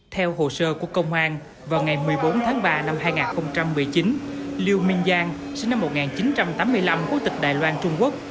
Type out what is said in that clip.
theo hồ sơ của công an vào ngày một mươi bốn tháng ba năm hai nghìn một mươi chín liêu minh giang sinh năm một nghìn chín trăm tám mươi năm quốc tịch đài loan trung quốc